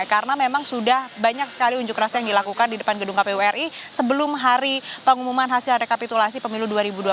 karena memang sudah banyak sekali unjuk rasa yang dilakukan di depan gedung kpu ri sebelum hari pengumuman hasil rekapitulasi pemilu dua ribu dua puluh empat